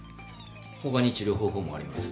他に治療方法もあります。